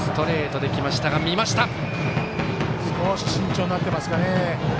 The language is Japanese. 少し慎重になってますかね。